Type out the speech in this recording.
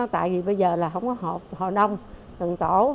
tại vì bây giờ là không có hộ nông từng tổ